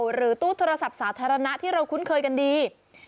หรือตู้โทรศัพท์สาธารณะที่เราคุ้นเคยกันดี